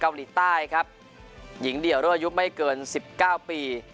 เกาหลีใต้ครับหญิงเดี่ยวร่วมอายุไม่เกินสิบเก้าปี